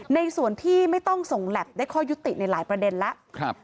ในส่วนที่ไม่ต้องส่งแล็บได้ข้อยุติในหลายประเด็นแล้ว